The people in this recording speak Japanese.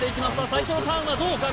最初のターンはどうか？